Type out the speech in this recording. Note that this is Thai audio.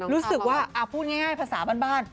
รู้สึกว่าพูดง่ายประศาบันบาล